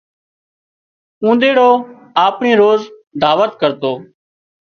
اونۮيڙو آپڻي روز دعوت ڪرتو